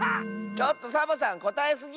ちょっとサボさんこたえすぎ！